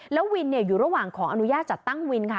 แล้ววินอยู่ระหว่างขออนุญาตจัดตั้งวินค่ะ